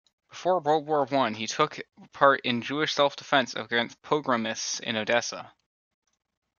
Before World War One he took part in Jewish self-defense against pogromists in Odessa.